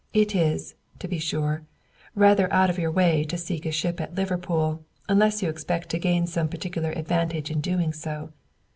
It is, to be sure, rather out of your way to seek a ship at Liverpool unless you expect to gain some particular advantage in doing so.